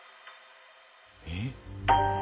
えっ？